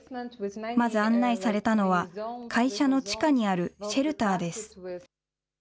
まず案内されたのは会社の地下にあるシェルターです。